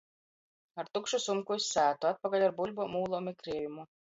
Ar tukšu sumku iz sātu, atpakaļ ar buļbem, ūlom i kriejumu.